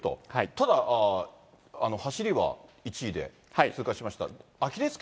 ただ、走りは１位で通過しました。